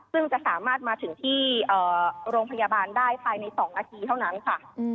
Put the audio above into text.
ซึ่งจะสามารถมาถึงที่โรงพยาบาลได้ภายใน๒นาทีเท่านั้นค่ะ